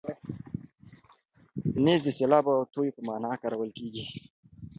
نیز د سیلاب او توی په مانا کارول کېږي.